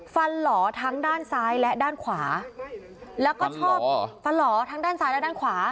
หล่อทั้งด้านซ้ายและด้านขวาแล้วก็ชอบฟันหล่อทั้งด้านซ้ายและด้านขวา